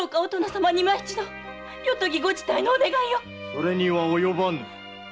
それには及ばぬ。